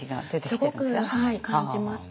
すごく感じます。